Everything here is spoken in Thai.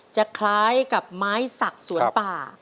จะคล้ายกับไม้สักสวนป่า